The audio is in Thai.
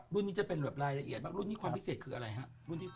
รุ่นนี้ก็จะเป็นรายละเอียดมากรุ่นนี้คืออะไร